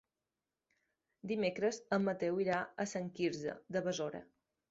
Dimecres en Mateu irà a Sant Quirze de Besora.